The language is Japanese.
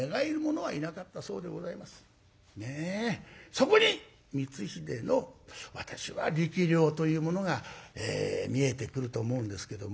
そこに光秀の私は力量というものが見えてくると思うんですけども。